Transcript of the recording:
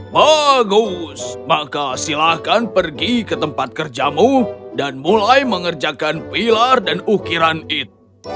bagus maka silahkan pergi ke tempat kerjamu dan mulai mengerjakan pilar dan ukiran eat